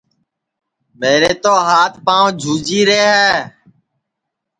میرے تو ہات پانٚو جھوجھی رے ہے